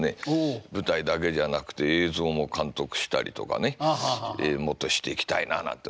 舞台だけじゃなくて映像も監督したりとかねもっとしていきたいななんて思っていますね。